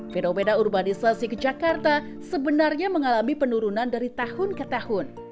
fenomena urbanisasi ke jakarta sebenarnya mengalami penurunan dari tahun ke tahun